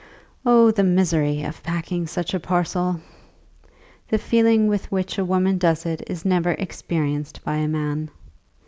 Oh, the misery of packing such a parcel! The feeling with which a woman does it is never encountered by a man.